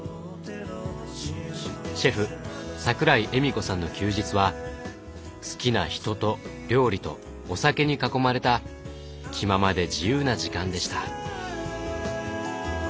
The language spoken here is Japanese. シェフ桜井莞子さんの休日は好きな人と料理とお酒に囲まれた気ままで自由な時間でした。